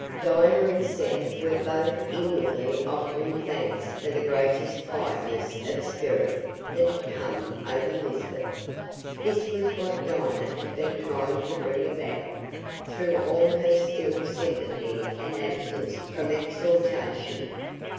'" Dinah and Seth were both inwardly offering thanks for the greater quietness of spirit that had come over Lisbeth. This was what Dinah had been trying to bring about, through all her still sympathy and absence from exhortation.